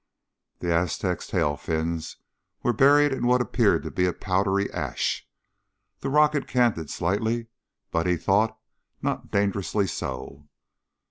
The Aztec's tail fins were buried in what appeared to be a powdery ash. The rocket was canted slightly but, he thought, not dangerously so.